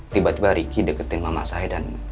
tiba tiba riki deketin mama saya